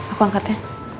aku angkat ya